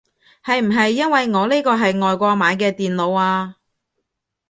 係唔係因為我呢個係外國買嘅電腦啊